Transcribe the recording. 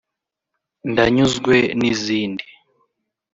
Ndanyuzwe n’izindi